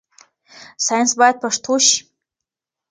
ساينس بايد پښتو شي.